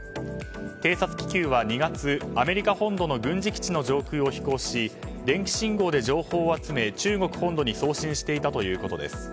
偵察気球は２月、アメリカ本土の軍事基地の上空を飛行し電気信号で情報を集め中国本土に送信していたということです。